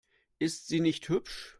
Ist sie nicht hübsch?